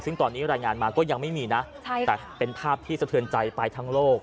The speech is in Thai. ซึ่งตอนนี้รายงานมาก็ยังไม่มีนะแต่เป็นภาพที่สะเทือนใจไปทั้งโลก